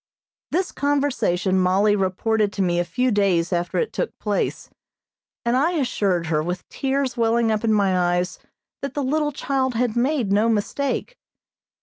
This conversation Mollie reported to me a few days after it took place, and I assured her with tears welling up in my eyes that the little child had made no mistake.